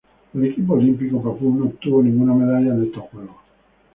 El equipo olímpico papú no obtuvo ninguna medalla en estos Juegos.